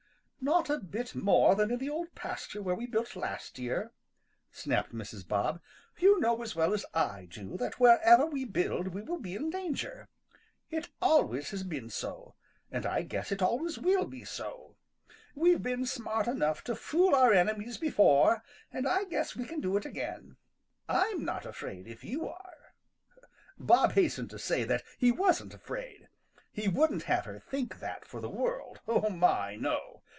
"Not a bit more than in the Old Pasture where we built last year," snapped Mrs. Bob. "You know as well as I do that wherever we build we will be in danger. It always has been so, and I guess it always will be so. We've been smart enough to fool our enemies before, and I guess we can do it again. I'm not afraid if you are." Bob hastened to say that he wasn't afraid. He wouldn't have her think that for the world. Oh, my, no!